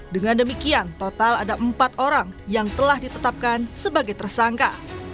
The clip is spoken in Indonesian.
dengan demikian total ada empat orang yang telah ditetapkan sebagai tersangka